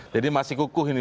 jadi masih kukuh ini